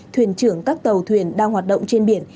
thuyền trưởng các tàu thuyền đang hoạt động trên biển